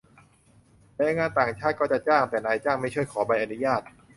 แรงงานต่างชาติก็จะจ้าง แต่นายจ้างไม่ช่วยขอใบอนุญาต